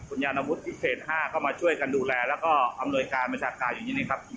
คุณยานอาวุธที่เกรดห้าเข้ามาช่วยกันดูแลแล้วก็อำนวยการบริษัทกาลอยู่นี่นี่ครับ